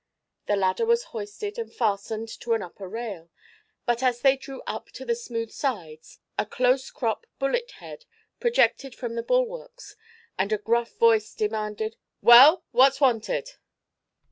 The ladder was hoisted and fastened to an upper rail, but as they drew up to the smooth sides a close cropped bullet head projected from the bulwarks and a gruff voice demanded: "Well, what's wanted?"